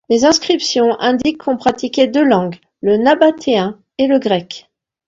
Les inscriptions indiquent qu'on pratiquait deux langues, le nabatéen et le grec.